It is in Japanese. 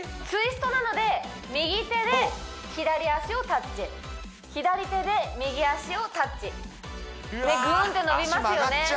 ツイストなので右手で左脚をタッチ左手で右脚をタッチでグーンって伸びますよね